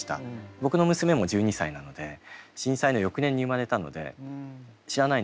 僕の娘も１２歳なので震災の翌年に生まれたので知らないんですよ。